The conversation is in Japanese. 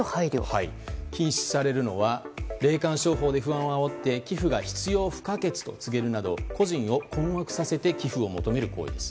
禁止されるのは霊感商法で不安をあおって寄付が必要不可欠と告げるなど個人を困惑させて寄付を求める行為です。